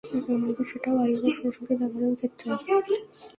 এমনকি সেটা বায়ু বা সৌরশক্তির ব্যবহারের ক্ষেত্রেও।